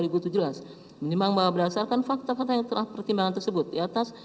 menimbang bahwa berdasarkan fakta fakta yang telah pertimbangan tersebut di atas